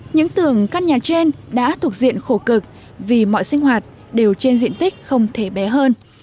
những tường căn nhà trên đã thuộc diện khổ cực vì mọi sinh hoạt đều trên diện tích không thể bé hơn